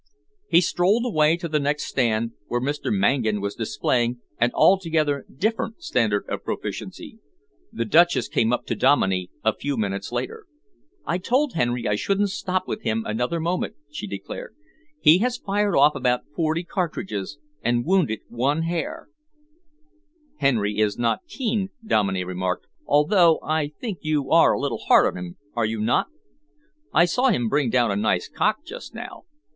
He strolled away to the next stand, where Mr. Mangan was displaying an altogether different standard of proficiency. The Duchess came up to Dominey a few minutes later. "I told Henry I shouldn't stop with him another moment," she declared. "He has fired off about forty cartridges and wounded one hare." "Henry is not keen," Dominey remarked, "although I think you are a little hard on him, are you not? I saw him bring down a nice cock just now.